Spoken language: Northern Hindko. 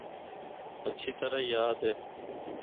ہَچھی طرح یاد اے۔